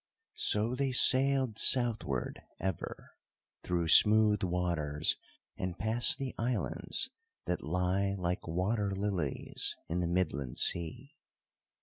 So they sailed southward ever, through smooth waters and past the islands that lie like water lilies in the midland sea.